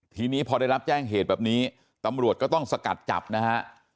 ทีนี้พอได้รับแจ้งเหตุแบบนี้ตำรวจก็ต้องสกัดจับนะฮะ